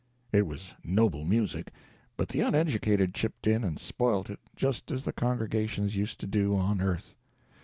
It was noble music, but the uneducated chipped in and spoilt it, just as the congregations used to do on earth.